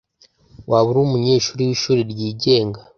Waba uri umunyeshuri wishuri ryigenga?